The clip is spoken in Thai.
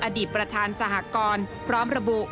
อดีตประธานสหกรพร้อมระบุ